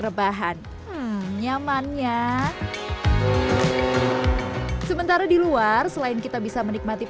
rebahan nyamannya sementara di luar selain kita bisa menikmati